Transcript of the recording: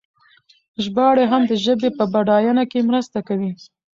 ژباړې هم د ژبې په بډاینه کې مرسته کوي.